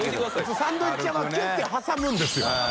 普通サンドイッチはキュって挟むんですよ。